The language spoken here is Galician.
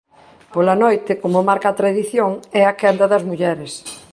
Pola noite, como marca a tradición, é a quenda das mulleres.